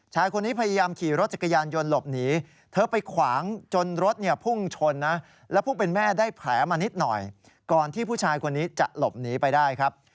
ชายคนนี้พยายามขี่รถจักรยานยนต์หลบหนีเธอไปขวางจนรถเนี่ยพุ่งชนนะแล้วผู้เป็นแม่ได้แผลมานิดหน่อยก่อนที่ผู้ชายคนนี้จะหลบหนีไปได้ครับ